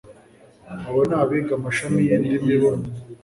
abo n'abiga amashami y'indimi bonyine.